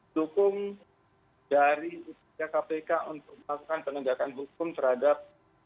dukung dari upaya kpk untuk melakukan penegakan hukum terhadap